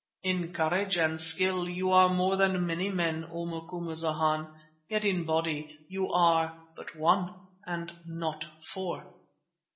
"In courage and skill you are more than many men, O Macumazana, yet in body you are but one and not four."